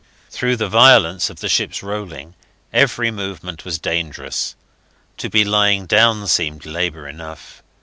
Through the violence of the ship's rolling, every movement was dangerous. To be lying down seemed labour enough.